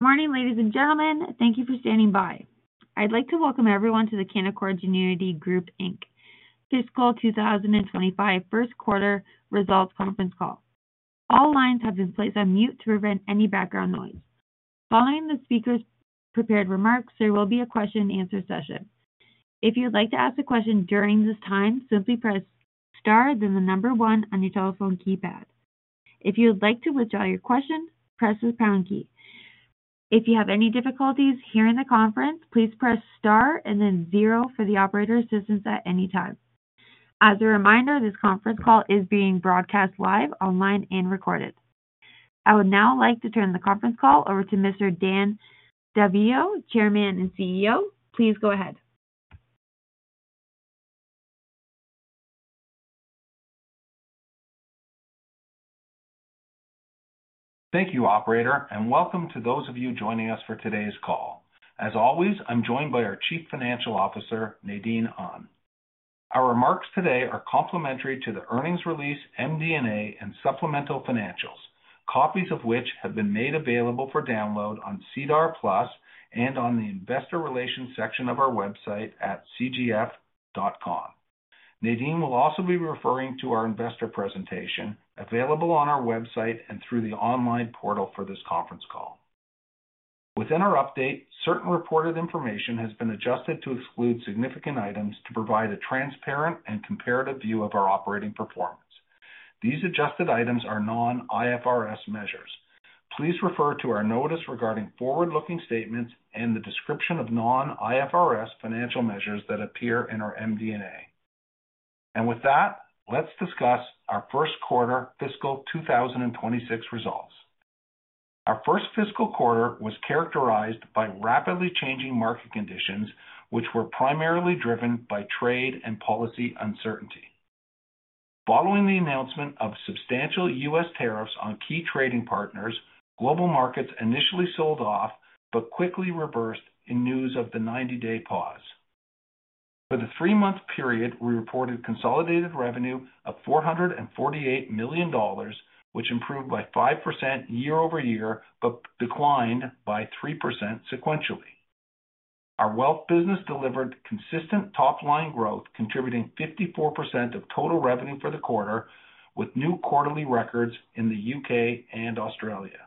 Good morning, ladies and gentlemen. Thank you for standing by. I'd like to welcome everyone to the Canaccord Genuity Group Inc. Fiscal 2025 First Quarter Results Conference call. All lines have been placed on mute to prevent any background noise. Following the speaker's prepared remarks, there will be a question and answer session. If you'd like to ask a question during this time, simply press star then the number one on your telephone keypad. If you would like to withdraw your question, press the pound key. If you have any difficulties hearing the conference, please press star and then zero for operator assistance at any time. As a reminder, this conference call is being broadcast live, online, and recorded. I would now like to turn the conference call over to Mr. Dan Daviau, Chairman and CEO. Please go ahead. Thank you, Operator, and welcome to those of you joining us for today's call. As always, I'm joined by our Chief Financial Officer, Nadine Ahn. Our remarks today are complimentary to the earnings release, MD&A, and supplemental financials, copies of which have been made available for download on SEDAR+ and on the Investor Relations section of our website at cgf.com. Nadine will also be referring to our investor presentation available on our website and through the online portal for this conference call. Within our update, certain reported information has been adjusted to exclude significant items to provide a transparent and comparative view of our operating performance. These adjusted items are non-IFRS measures. Please refer to our notice regarding forward-looking statements and the description of non-IFRS financial measures that appear in our MD&A. With that, let's discuss our first quarter fiscal 2026 results. Our first fiscal quarter was characterized by rapidly changing market conditions, which were primarily driven by trade and policy uncertainty. Following the announcement of substantial U.S. tariffs on key trading partners, global markets initially sold off but quickly reversed on news of the 90-day pause. For the three-month period, we reported consolidated revenue of 448 million dollars, which improved by 5% year-over-year but declined by 3% sequentially. Our wealth business delivered consistent top-line growth, contributing 54% of total revenue for the quarter, with new quarterly records in the U.K. and Australia.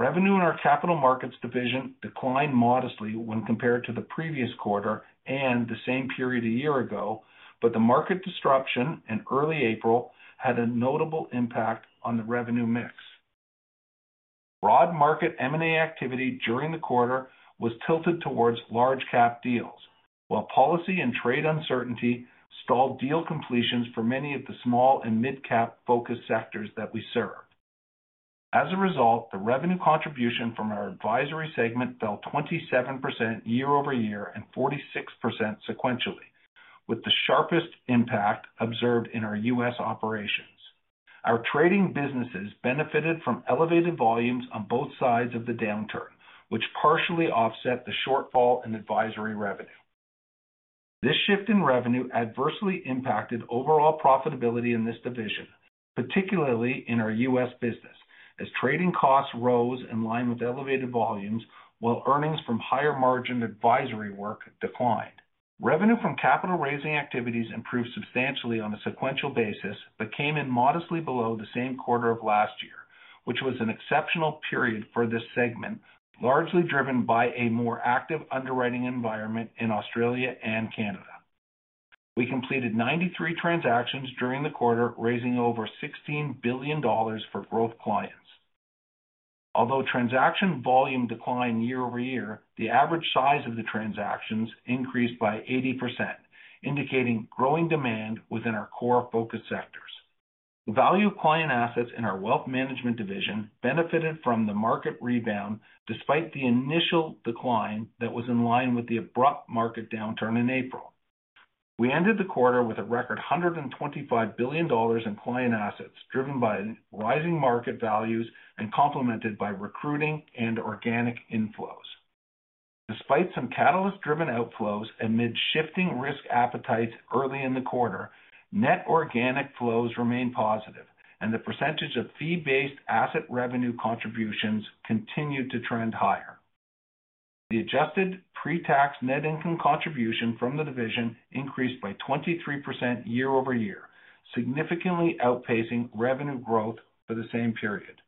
Revenue in our capital markets division declined modestly when compared to the previous quarter and the same period a year ago, but the market disruption in early April had a notable impact on the revenue mix. Broad market M&A activity during the quarter was tilted towards large-cap deals, while policy and trade uncertainty stalled deal completions for many of the small and mid-cap focus sectors that we serve. As a result, the revenue contribution from our advisory segment fell 27% year-over-year and 46% sequentially, with the sharpest impact observed in our U.S. operations. Our trading businesses benefited from elevated volumes on both sides of the downturn, which partially offset the shortfall in advisory revenue. This shift in revenue adversely impacted overall profitability in this division, particularly in our U.S. business, as trading costs rose in line with elevated volumes, while earnings from higher margin advisory work declined. Revenue from capital raising activities improved substantially on a sequential basis but came in modestly below the same quarter of last year, which was an exceptional period for this segment, largely driven by a more active underwriting environment in Australia and Canada. We completed 93 transactions during the quarter, raising over 16 billion dollars for growth clients. Although transaction volume declined year-over-year, the average size of the transactions increased by 80%, indicating growing demand within our core focus sectors. The value of client assets in our wealth management division benefited from the market rebound despite the initial decline that was in line with the abrupt market downturn in April. We ended the quarter with a record 125 billion dollars in client assets, driven by rising market values and complemented by recruiting and organic inflows. Despite some catalyst-driven outflows amid shifting risk appetites early in the quarter, net organic flows remained positive, and the percentage of fee-based asset revenue contributions continued to trend higher. The adjusted pre-tax net income contribution from the division increased by 23% year-over-year, significantly outpacing revenue growth for the same period.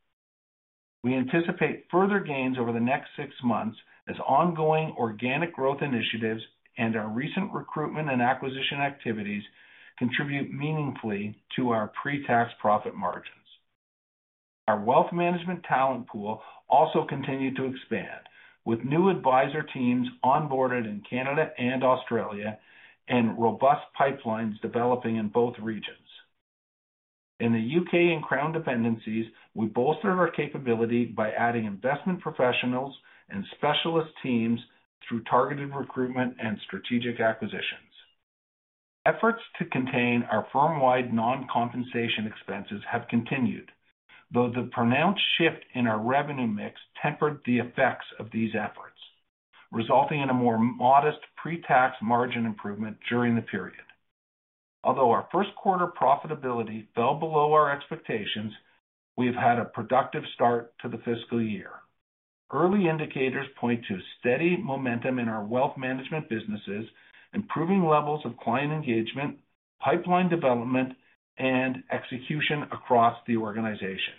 We anticipate further gains over the next six months as ongoing organic growth initiatives and our recent recruitment and acquisition activities contribute meaningfully to our pre-tax profit margins. Our wealth management talent pool also continued to expand, with new advisor teams onboarded in Canada and Australia and robust pipelines developing in both regions. In the U.K. and Crown dependencies, we bolstered our capability by adding investment professionals and specialist teams through targeted recruitment and strategic acquisitions. Efforts to contain our firm-wide non-compensation expenses have continued, though the pronounced shift in our revenue mix tempered the effects of these efforts, resulting in a more modest pre-tax margin improvement during the period. Although our first quarter profitability fell below our expectations, we have had a productive start to the fiscal year. Early indicators point to steady momentum in our wealth management businesses, improving levels of client engagement, pipeline development, and execution across the organization.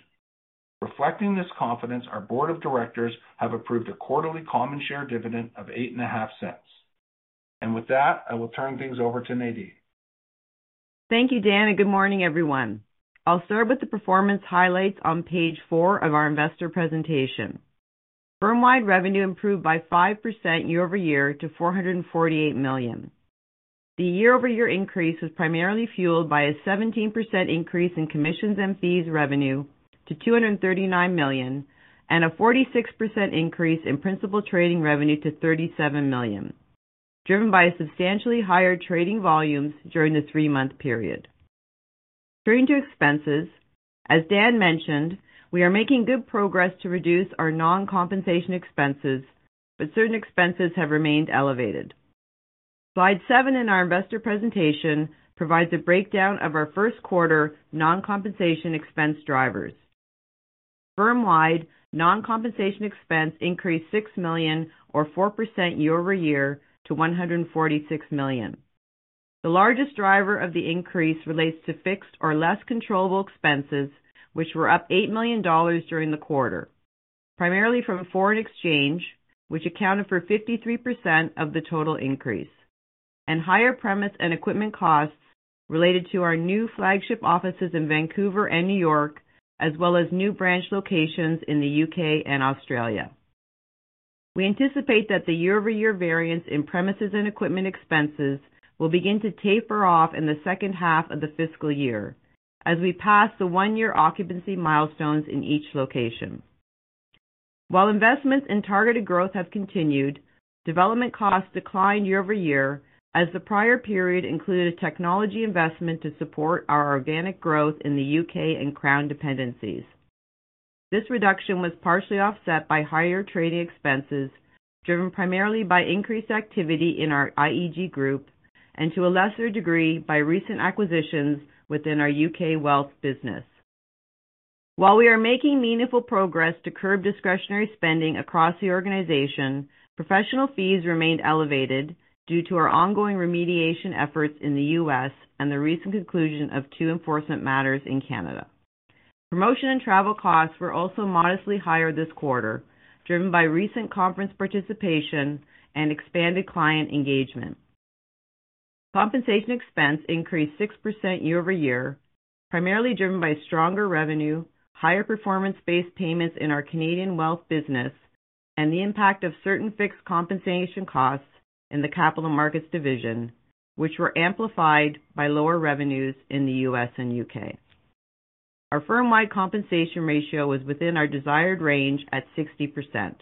Reflecting this confidence, our Board of Directors has approved a quarterly common share dividend of 0.085. With that, I will turn things over to Nadine. Thank you, Dan, and good morning, everyone. I'll start with the performance highlights on page four of our investor presentation. Firm-wide revenue improved by 5% year-over-year to 448 million. The year-over-year increase was primarily fueled by a 17% increase in commissions and fees revenue to 239 million and a 46% increase in principal trading revenue to 37 million, driven by substantially higher trading volumes during the three-month period. Turning to expenses, as Dan mentioned, we are making good progress to reduce our non-compensation expenses, but certain expenses have remained elevated. Slide seven in our investor presentation provides a breakdown of our first quarter non-compensation expense drivers. Firm-wide, non-compensation expense increased 6 million, or 4% year-over-year, to 146 million. The largest driver of the increase relates to fixed or less controllable expenses, which were up 8 million dollars during the quarter, primarily from foreign exchange, which accounted for 53% of the total increase, and higher premise and equipment costs related to our new flagship offices in Vancouver and New York, as well as new branch locations in the U.K. and Australia. We anticipate that the year-over-year variance in premises and equipment expenses will begin to taper off in the second half of the fiscal year as we pass the one-year occupancy milestones in each location. While investments in targeted growth have continued, development costs declined year-over-year as the prior period included a technology investment to support our organic growth in the U.K. and Crown dependencies. This reduction was partially offset by higher trading expenses, driven primarily by increased activity in our IEG group and to a lesser degree by recent acquisitions within our U.K. wealth business. While we are making meaningful progress to curb discretionary spending across the organization, professional fees remained elevated due to our ongoing remediation efforts in the U.S. and the recent conclusion of two enforcement matters in Canada. Promotion and travel costs were also modestly higher this quarter, driven by recent conference participation and expanded client engagement. Compensation expense increased 6% year-over-year, primarily driven by stronger revenue, higher performance-based payments in our Canadian wealth business, and the impact of certain fixed compensation costs in the capital markets division, which were amplified by lower revenues in the U.S. and U.K.. Our firm-wide compensation ratio was within our desired range at 60%.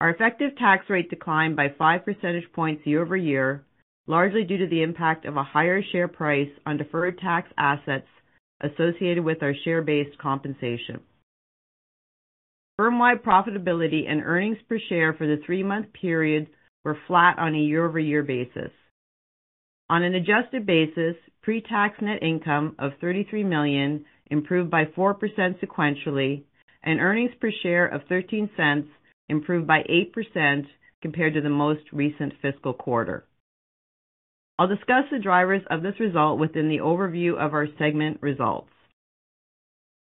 Our effective tax rate declined by 5% year-over-year, largely due to the impact of a higher share price on deferred tax assets associated with our share-based compensation. Firm-wide profitability and earnings per share for the three-month period were flat on a year-over-year basis. On an adjusted basis, pre-tax net income of 33 million improved by 4% sequentially, and earnings per share of 0.13 improved by 8% compared to the most recent fiscal quarter. I'll discuss the drivers of this result within the overview of our segment results.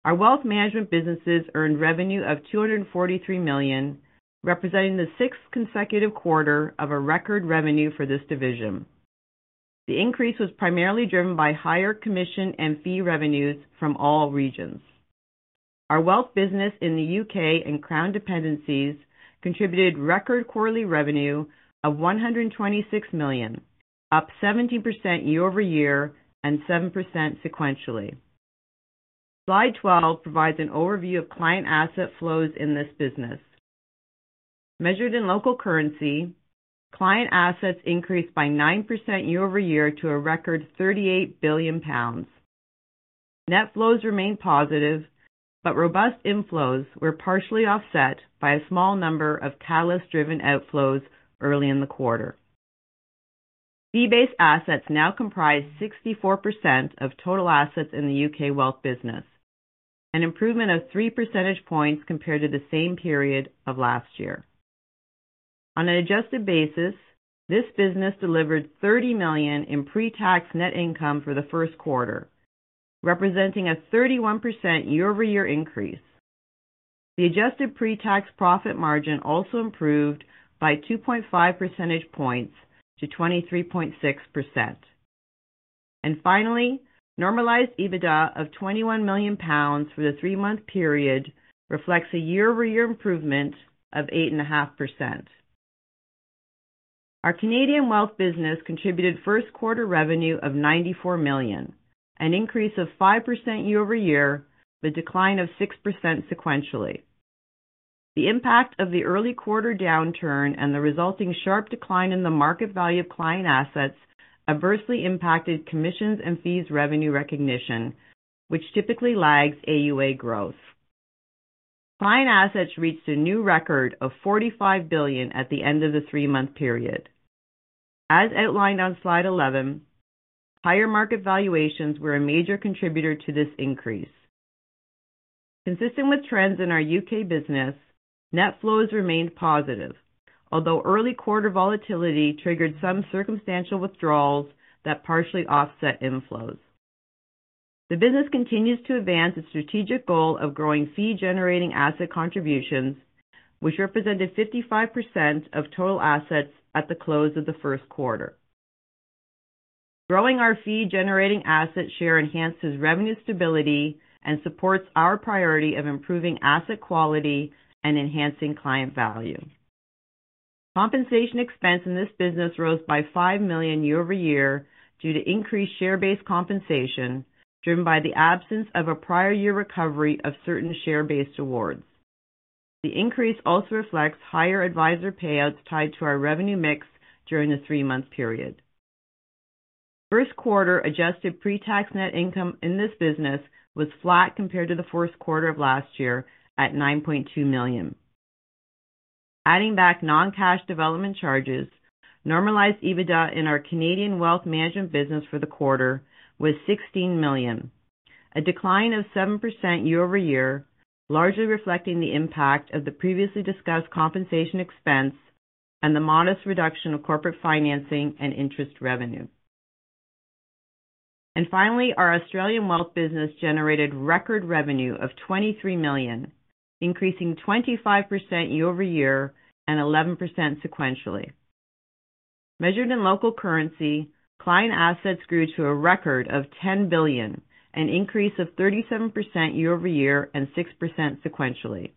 Our wealth management businesses earned revenue of 243 million, representing the sixth consecutive quarter of record revenue for this division. The increase was primarily driven by higher commissions and fees revenue from all regions. Our wealth business in the U.K. and Crown dependencies contributed record quarterly revenue of 126 million, up 17% year-over-year and 7% sequentially. Slide 12 provides an overview of client asset flows in this business. Measured in local currency, client assets increased by 9% year-over-year to a record 38 billion pounds. Net flows remained positive, but robust inflows were partially offset by a small number of catalyst-driven outflows early in the quarter. Fee-based assets now comprise 64% of total assets in the U.K. wealth business, an improvement of 3% compared to the same period of last year. On an adjusted basis, this business delivered 30 million in pre-tax net income for the first quarter, representing a 31% year-over-year increase. The adjusted pre-tax profit margin also improved by 2.5%-23.6%. Finally, normalized EBITDA of 21 million pounds for the three-month period reflects a year-over-year improvement of 8.5%. Our Canadian wealth business contributed first quarter revenue of 94 million, an increase of 5% year-over-year, but a decline of 6% sequentially. The impact of the early quarter downturn and the resulting sharp decline in the market value of client assets adversely impacted commissions and fees revenue recognition, which typically lags AUA growth. Client assets reached a new record of 45 billion at the end of the three-month period. As outlined on slide 11, higher market valuations were a major contributor to this increase. Consistent with trends in our U.K. business, net flows remained positive, although early quarter volatility triggered some circumstantial withdrawals that partially offset inflows. The business continues to advance its strategic goal of growing fee-generating asset contributions, which represented 55% of total assets at the close of the first quarter. Growing our fee-generating asset share enhances revenue stability and supports our priority of improving asset quality and enhancing client value. Compensation expense in this business rose by 5 million year-over-year due to increased share-based compensation driven by the absence of a prior year recovery of certain share-based awards. The increase also reflects higher advisor payouts tied to our revenue mix during the three-month period. First quarter adjusted pre-tax net income in this business was flat compared to the first quarter of last year at 9.2 million. Adding back non-cash development charges, normalized EBITDA in our Canadian wealth management business for the quarter was 16 million, a decline of 7% year-over-year, largely reflecting the impact of the previously discussed compensation expense and the modest reduction of corporate finance and interest revenue. Finally, our Australian wealth business generated record revenue of 23 million, increasing 25% year-over-year and 11% sequentially. Measured in local currency, client assets grew to a record of 10 billion, an increase of 37% year-over-year and 6% sequentially.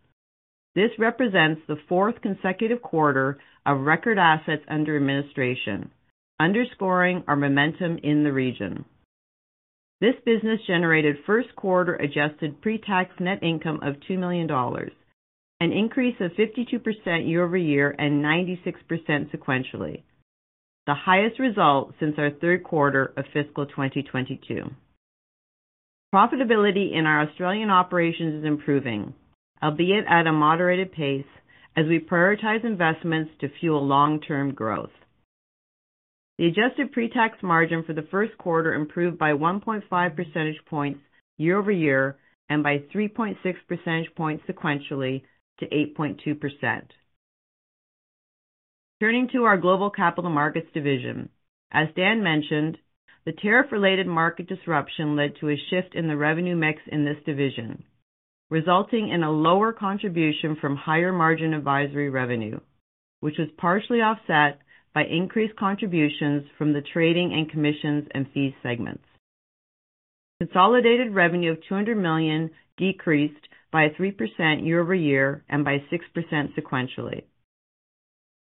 This represents the fourth consecutive quarter of record assets under administration, underscoring our momentum in the region. This business generated first quarter adjusted pre-tax net income of 2 million dollars, an increase of 52% year-over-year and 96% sequentially, the highest result since our third quarter of fiscal 2022. Profitability in our Australian operations is improving, albeit at a moderated pace as we prioritize investments to fuel long-term growth. The adjusted pre-tax margin for the first quarter improved by 1.5 percentage points year-over-year and by 3.6 percentage points sequentially to 8.2%. Turning to our global capital markets division, as Dan mentioned, the tariff-related market disruption led to a shift in the revenue mix in this division, resulting in a lower contribution from higher margin advisory revenue, which was partially offset by increased contributions from the trading and commissions and fees segments. Consolidated revenue of 200 million decreased by 3% year-over-year and by 6% sequentially.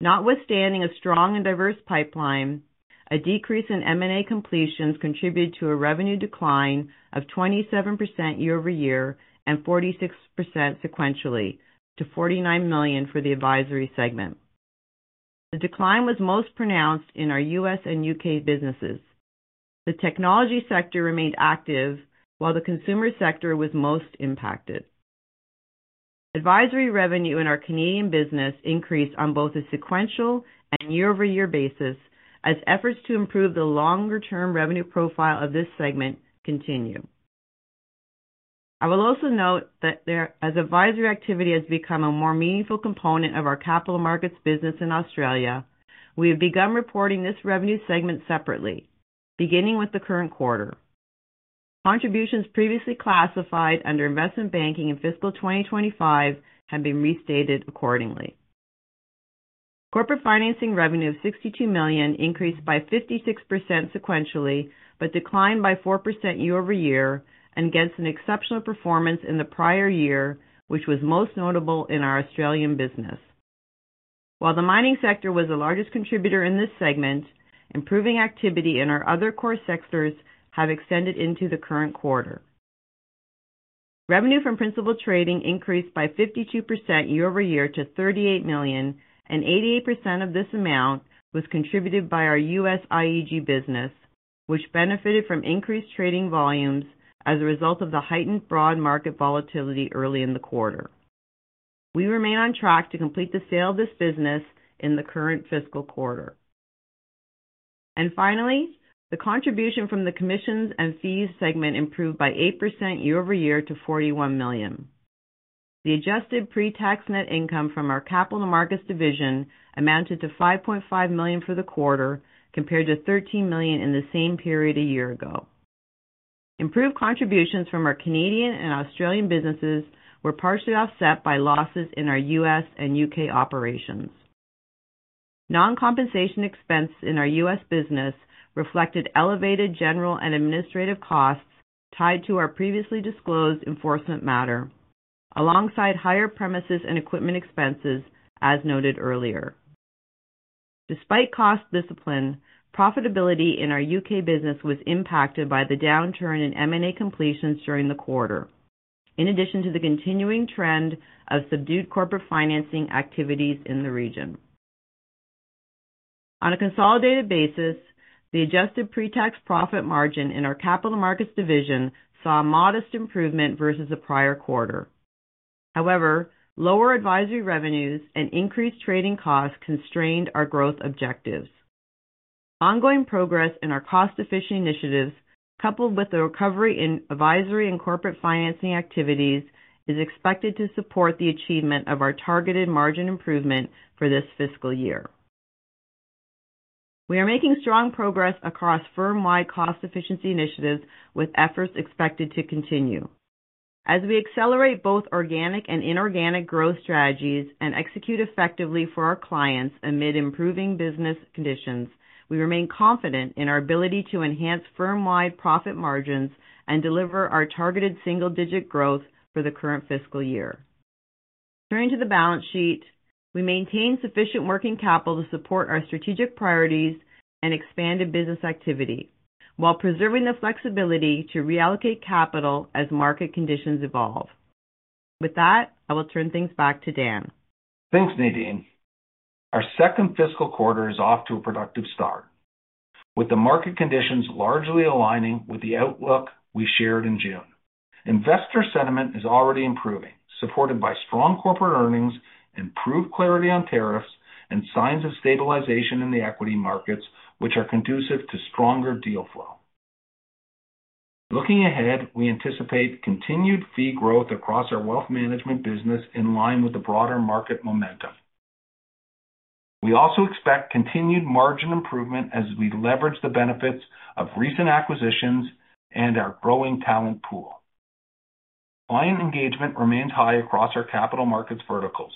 Notwithstanding a strong and diverse pipeline, a decrease in M&A completions contributed to a revenue decline of 27% year-over-year and 46% sequentially to 49 million for the advisory segment. The decline was most pronounced in our U.S. and U.K. businesses. The technology sector remained active, while the consumer sector was most impacted. Advisory revenue in our Canadian business increased on both a sequential and year-over-year basis as efforts to improve the longer-term revenue profile of this segment continue. I will also note that as advisory activity has become a more meaningful component of our capital markets business in Australia, we have begun reporting this revenue segment separately, beginning with the current quarter. Contributions previously classified under investment banking in fiscal 2025 have been restated accordingly. Corporate finance revenue of 62 million increased by 56% sequentially, but declined by 4% year-over-year against an exceptional performance in the prior year, which was most notable in our Australian business. While the mining sector was the largest contributor in this segment, improving activity in our other core sectors has extended into the current quarter. Revenue from principal trading increased by 52% year-over-year to 38 million, and 88% of this amount was contributed by our U.S. IEG business, which benefited from increased trading volumes as a result of the heightened broad market volatility early in the quarter. We remain on track to complete the sale of this business in the current fiscal quarter. Finally, the contribution from the commissions and fees segment improved by 8% year-over-year to 41 million. The adjusted pre-tax net income from our capital markets division amounted to 5.5 million for the quarter, compared to 13 million in the same period a year ago. Improved contributions from our Canadian and Australian businesses were partially offset by losses in our U.S. and U.K. operations. Non-compensation expense in our U.S. business reflected elevated general and administrative costs tied to our previously disclosed enforcement matter, alongside higher premises and equipment expenses, as noted earlier. Despite cost discipline, profitability in our U.K. business was impacted by the downturn in M&A completions during the quarter, in addition to the continuing trend of subdued corporate finance activities in the region. On a consolidated basis, the adjusted pre-tax profit margin in our capital markets division saw a modest improvement versus the prior quarter. However, lower advisory revenues and increased trading costs constrained our growth objectives. Ongoing progress in our cost-efficient initiatives, coupled with the recovery in advisory and corporate financing activities, is expected to support the achievement of our targeted margin improvement for this fiscal year. We are making strong progress across firm-wide cost efficiency initiatives, with efforts expected to continue. As we accelerate both organic and inorganic growth strategies and execute effectively for our clients amid improving business conditions, we remain confident in our ability to enhance firm-wide profit margins and deliver our targeted single-digit growth for the current fiscal year. Turning to the balance sheet, we maintain sufficient working capital to support our strategic priorities and expanded business activity, while preserving the flexibility to reallocate capital as market conditions evolve. With that, I will turn things back to Dan. Thanks, Nadine. Our second fiscal quarter is off to a productive start, with the market conditions largely aligning with the outlook we shared in June. Investor sentiment is already improving, supported by strong corporate earnings, improved clarity on tariffs, and signs of stabilization in the equity markets, which are conducive to stronger deal flow. Looking ahead, we anticipate continued fee growth across our wealth management business in line with the broader market momentum. We also expect continued margin improvement as we leverage the benefits of recent acquisitions and our growing talent pool. Client engagement remains high across our capital markets verticals.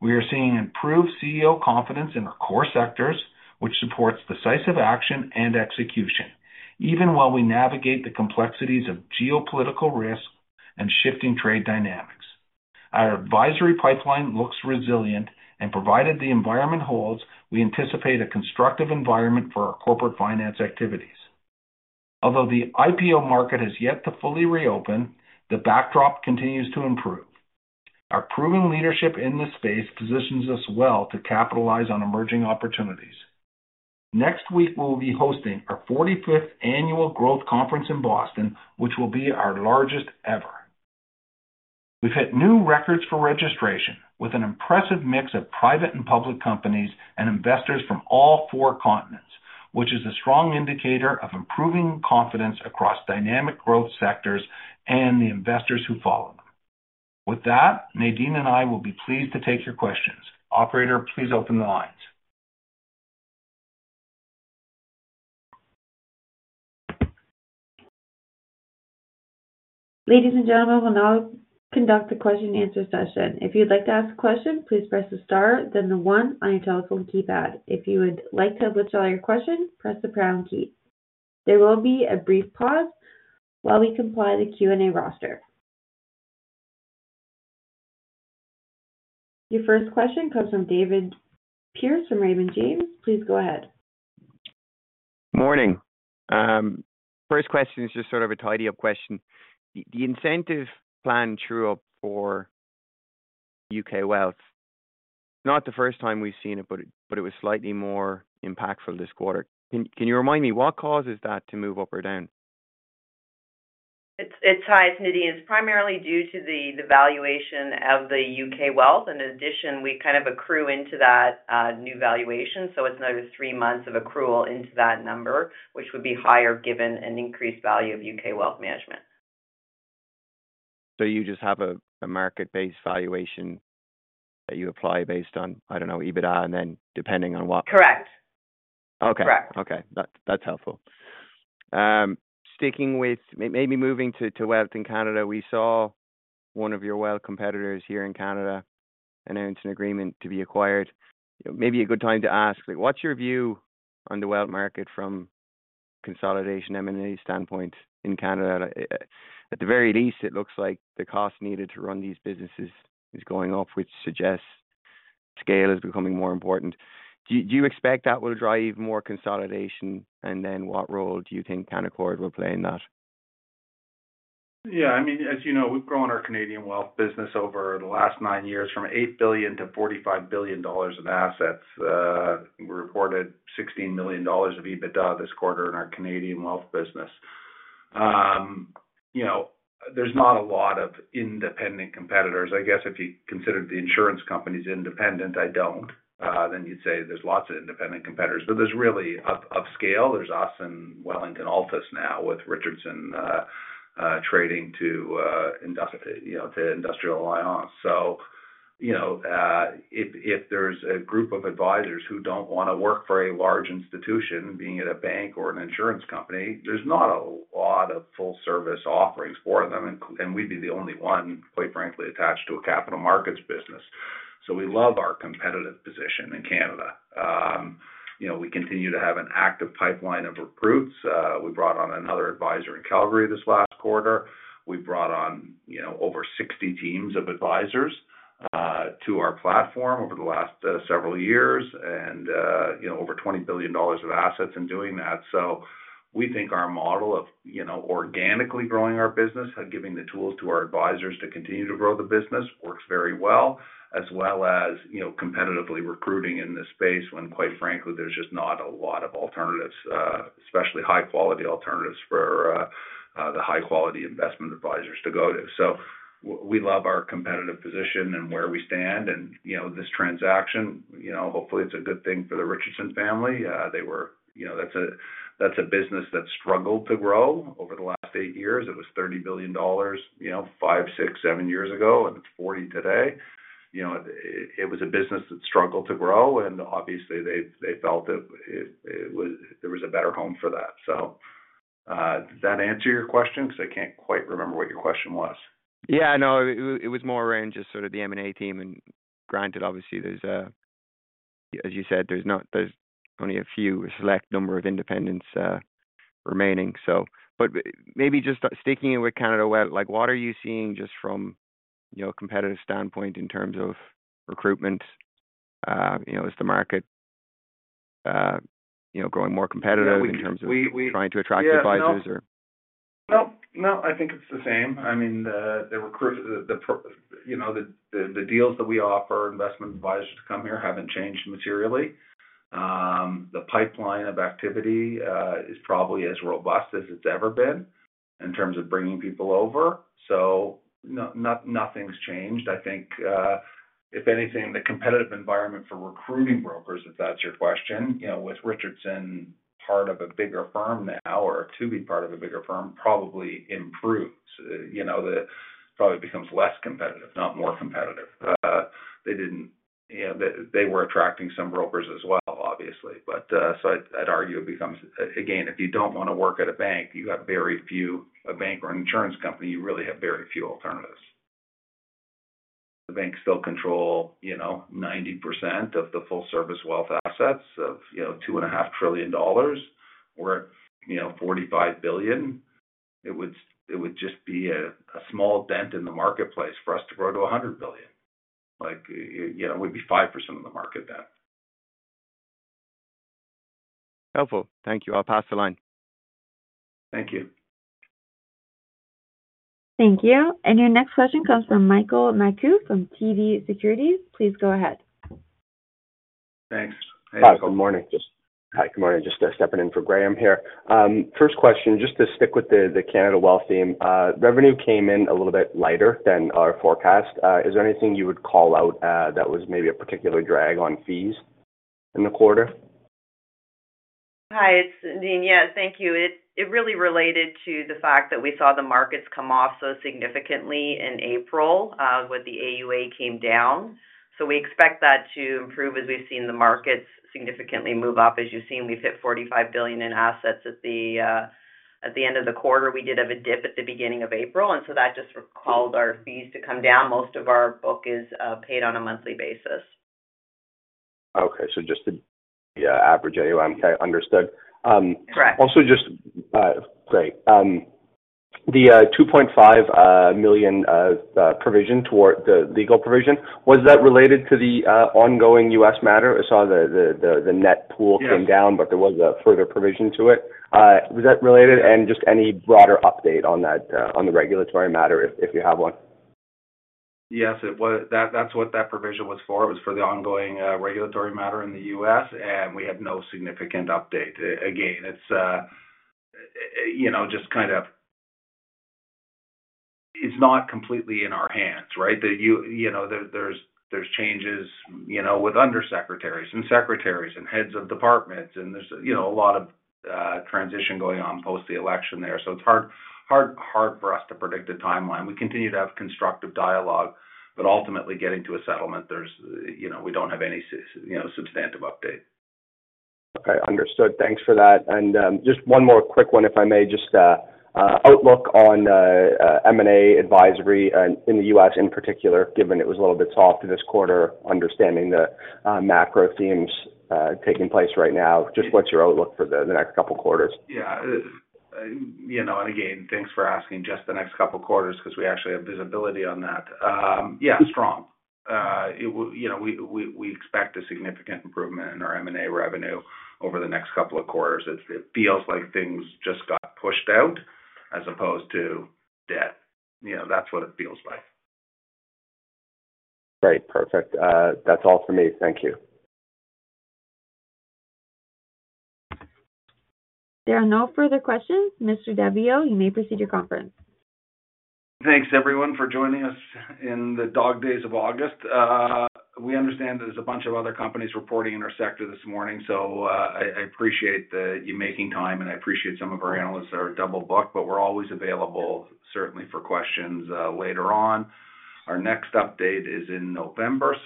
We are seeing improved CEO confidence in our core sectors, which supports decisive action and execution, even while we navigate the complexities of geopolitical risk and shifting trade dynamics. Our advisory pipeline looks resilient, and provided the environment holds, we anticipate a constructive environment for our corporate finance activities. Although the IPO market is yet to fully reopen, the backdrop continues to improve. Our proven leadership in this space positions us well to capitalize on emerging opportunities. Next week, we will be hosting our 45th annual growth conference in Boston, which will be our largest ever. We've hit new records for registration, with an impressive mix of private and public companies and investors from all four continents, which is a strong indicator of improving confidence across dynamic growth sectors and the investors who follow them. With that, Nadine and I will be pleased to take your questions. Operator, please open the lines. Ladies and gentlemen, we'll now conduct the question and answer session. If you'd like to ask a question, please press the star then the one on your telephone keypad. If you would like to have a chat or question, press the pound key. There will be a brief pause while we comply with the Q&A roster. Your first question comes from David Pierce from Canaccord Genuity. Please go ahead. Morning. First question is just sort of a tidy-up question. The incentive plan true-up for U.K. wealth, not the first time we've seen it, but it was slightly more impactful this quarter. Can you remind me what causes that to move up or down? It's hi, it's Nadine. It's primarily due to the valuation of the U.K. wealth. In addition, we kind of accrue into that new valuation. It's another three months of accrual into that number, which would be higher given an increased value of U.K. wealth management. You just have a market-based valuation that you apply based on, I don't know, EBITDA and then depending on what? Correct. Okay. That's helpful. Sticking with maybe moving to wealth in Canada, we saw one of your wealth competitors here in Canada announce an agreement to be acquired. Maybe a good time to ask, what's your view on the wealth market from a consolidation M&A standpoint in Canada? At the very least, it looks like the cost needed to run these businesses is going up, which suggests scale is becoming more important. Do you expect that will drive more consolidation? What role do you think Canaccord will play in that? Yeah, I mean, as you know, we've grown our Canadian wealth business over the last nine years from 8 billion to 45 billion dollars in assets. We reported 16 million dollars of EBITDA this quarter in our Canadian wealth business. There's not a lot of independent competitors. I guess if you considered the insurance companies independent, I don't. Then you'd say there's lots of independent competitors, but there's really of scale. There's us and Wellington Altus now with Richardson trading to Industrial Alliance. If there's a group of advisors who don't want to work for a large institution, being at a bank or an insurance company, there's not a lot of full-service offerings for them. We'd be the only one, quite frankly, attached to a capital markets business. We love our competitive position in Canada. We continue to have an active pipeline of recruits. We brought on another advisor in Calgary this last quarter. We brought on over 60 teams of advisors to our platform over the last several years and over 20 billion dollars of assets in doing that. We think our model of organically growing our business, giving the tools to our advisors to continue to grow the business works very well, as well as competitively recruiting in this space when, quite frankly, there's just not a lot of alternatives, especially high-quality alternatives for the high-quality investment advisors to go to. We love our competitive position and where we stand. This transaction, hopefully it's a good thing for the Richardson family. They were, you know, that's a business that struggled to grow over the last eight years. It was 30 billion dollars five, six, seven years ago, and it's 40 billion today. It was a business that struggled to grow, and obviously they felt that it was a better home for that. Does that answer your question? Because I can't quite remember what your question was. Yeah, no, it was more around just sort of the M&A team. Granted, obviously, as you said, there's only a few, a select number of independents remaining. Maybe just sticking with Canada Wealth, what are you seeing just from a competitive standpoint in terms of recruitment? Is the market growing more competitive in terms of trying to attract advisors? I think it's the same. I mean, the recruitment, you know, the deals that we offer investment advisors to come here haven't changed materially. The pipeline of activity is probably as robust as it's ever been in terms of bringing people over. Nothing's changed. I think, if anything, the competitive environment for recruiting brokers, if that's your question, you know, with Richardson part of a bigger firm now or to be part of a bigger firm probably improves. It probably becomes less competitive, not more competitive. They were attracting some brokers as well, obviously. I'd argue it becomes, again, if you don't want to work at a bank, you have very few, a bank or an insurance company, you really have very few alternatives. The banks still control, you know, 90% of the full-service wealth assets of, you know, 2.5 trillion dollars or, you know, 45 billion. It would just be a small dent in the marketplace for us to grow to 100 billion. Like, you know, we'd be 5% of the market then. Helpful. Thank you. I'll pass the line. Thank you. Thank you. Your next question comes from Michael Matthew from TD Securities. Please go ahead. Thanks. Good morning. Just stepping in for Graham here. First question, just to stick with the Canaccord Wealth theme, revenue came in a little bit lighter than our forecast. Is there anything you would call out that was maybe a particular drag on fees in the quarter? Hi, it's Nadine. Thank you. It really related to the fact that we saw the markets come off so significantly in April with the AUA came down. We expect that to improve as we've seen the markets significantly move up. As you've seen, we've hit 45 billion in assets at the end of the quarter. We did have a dip at the beginning of April, and that just caused our fees to come down. Most of our book is paid on a monthly basis. Okay, so just the average AUM understood. Correct. Great. The 2.5 million provision toward the legal provision, was that related to the ongoing U.S. matter? I saw the net pool came down, but there was a further provision to it. Was that related? Any broader update on that, on the regulatory matter, if you have one? Yes, that's what that provision was for. It was for the ongoing regulatory matter in the U.S. We had no significant update. It's not completely in our hands, right? There are changes with undersecretaries and secretaries and heads of departments. There is a lot of transition going on post the election there. It's hard for us to predict the timeline. We continue to have constructive dialogue, but ultimately getting to a settlement, we don't have any substantive update. Understood. Thanks for that. Just one more quick one, if I may, just the outlook on M&A advisory in the U.S. in particular, given it was a little bit softer this quarter, understanding the macro themes taking place right now. What's your outlook for the next couple of quarters? Yeah, you know, thanks for asking just the next couple of quarters because we actually have visibility on that. Yeah, strong. We expect a significant improvement in our M&A revenue over the next couple of quarters. It feels like things just got pushed out as opposed to debt. That's what it feels like. Great. Perfect. That's all for me. Thank you. There are no further questions. Mr. Daviau, you may proceed to your conference. Thanks, everyone, for joining us in the dog days of August. We understand there's a bunch of other companies reporting in our sector this morning. I appreciate you making time, and I appreciate some of our analysts that are double booked, but we're always available certainly for questions later on. Our next update is in November.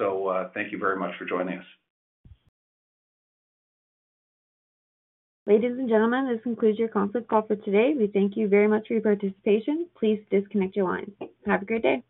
Thank you very much for joining us. Ladies and gentlemen, this concludes your conference call for today. We thank you very much for your participation. Please disconnect your line. Have a great day.